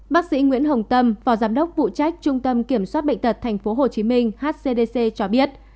bác sĩ nguyễn hồng tâm phó giám đốc vụ trách trung tâm kiểm soát bệnh tật tp hcm hcdc cho biết